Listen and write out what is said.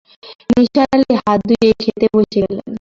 নিসার আলি হাত ধুয়ে খেতে বসে গেলেন।